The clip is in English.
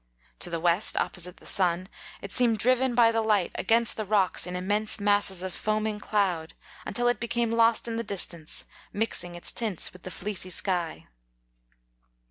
To the west, opposite the sun, it seemed driven by the light against the rocks in immense masses of foaming cloud, until it be came lost in the distance, mixing its tints with the fleecy sky.